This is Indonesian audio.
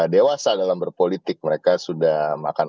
dewasa dalam berpolitik mereka sudah makan